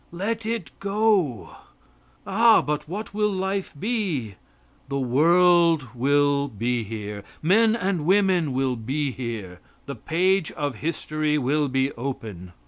Let it go. Ah! but what will life be? The world will be here. Men and women will be here. The page of history will be open.